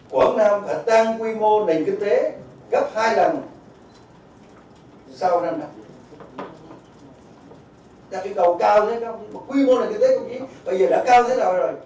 sau năm năm nhà truyền cầu cao thế nào quy mô này kinh tế cũng chí bây giờ đã cao thế nào rồi